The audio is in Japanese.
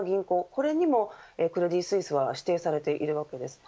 これにもクレディ・スイスは指定されているわけです。